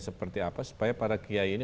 seperti apa supaya para kiai ini